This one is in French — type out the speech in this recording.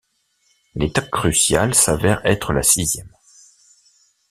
L'étape cruciale s'avère être la sixième.